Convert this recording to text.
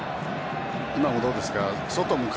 今のどうですか？